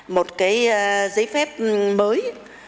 một giấy phép mới